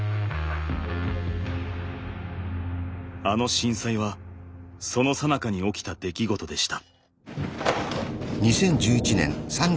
あの震災はそのさなかに起きた出来事でした。